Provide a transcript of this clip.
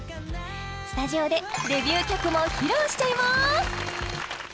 スタジオでデビュー曲も披露しちゃいます！